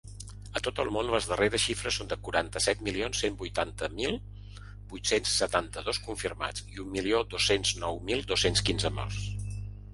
A tot el món, les darreres xifres són de quaranta-set milions cent vuitanta mil vuit-cents setanta-dos confirmats i un milió dos-cents nou mil dos-cents quinze morts.